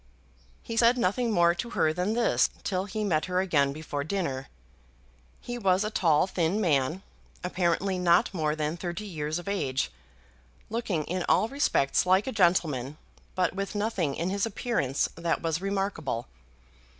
He said nothing more to her than this, till he met her again before dinner. He was a tall thin man, apparently not more than thirty years of age, looking in all respects like a gentleman, but with nothing in his appearance that was remarkable.